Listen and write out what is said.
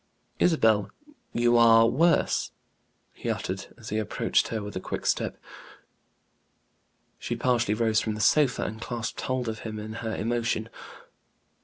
"Isabel, you are worse!" he uttered, as he approached her with a quick step. She partially rose from the sofa, and clasped hold of him in her emotion.